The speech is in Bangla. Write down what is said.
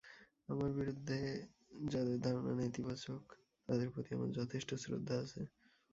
আমার বিরুদ্ধে যাদের ধারণা নেতিবাচক, তাদের প্রতি আমার আমার যথেষ্ট শ্রদ্ধা আছে।